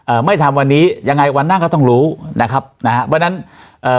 ไม่ทำวันนี้ยังไงวันนั่งก็ต้องรู้นะครับนะฮะเพราะฉะนั้นเอ่อ